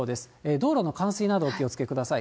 道路の冠水など、お気をつけください。